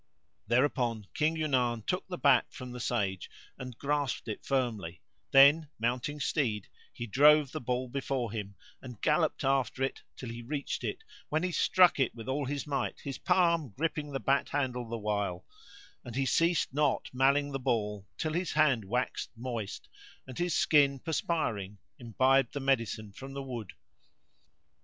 Thereupon King Yunan took the bat from the Sage and grasped it firmly; then, mounting steed, he drove the ball before him and gallopped after it till he reached it, when he struck it with all his might, his palm gripping the bat handle the while; and he ceased not malling the ball till his hand waxed moist and his skin, perspiring, imbibed the medicine from the wood.